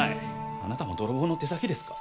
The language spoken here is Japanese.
あなたも泥棒の手先ですか？